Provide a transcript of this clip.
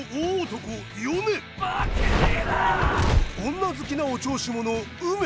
女好きのお調子者ウメ。